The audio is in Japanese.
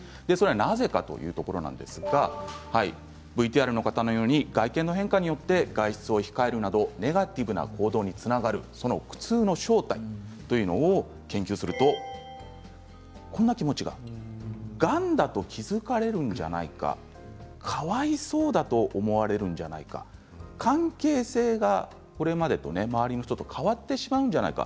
なぜかというところなんですがＶＴＲの方のように外見の変化によって外出を控えるなどネガティブな行動につながるその苦痛の正体というのを研究すると、こんな気持ちが。がんだと気付かれるんじゃないかかわいそうだと思われるんじゃないか関係性が、これまでと周りの人と変わってしまうんじゃないか。